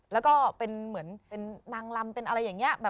แล้วก็เป็นเหมือนเป็นนางลำเป็นอะไรอย่างนี้